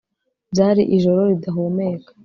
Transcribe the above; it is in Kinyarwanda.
Byari ijoro ridahumeka